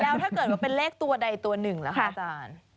แล้วถ้าเกิดว่าเป็นเลขตัวใดตัวหนึ่งล่ะคะอาจารย์